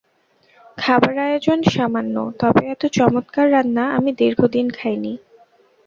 খাবার আয়োজন সামান্য, তবে এত চমৎকার রান্না আমি দীর্ঘদিন খাই নি।